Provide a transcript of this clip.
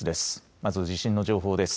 まず地震の情報です。